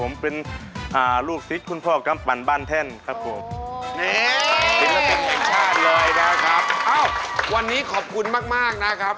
วันนี้ขอบคุณมากมากนะครับ